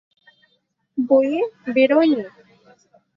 বইয়ে বেরোয় নি।